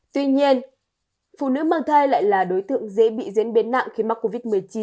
tuy nhiên phụ nữ mang thai lại là đối tượng dễ bị diễn biến nặng khi mắc covid một mươi chín